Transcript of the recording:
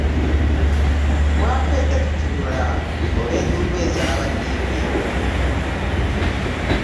Bwakedde tutunula olw'enduula ezaabadde ebweru.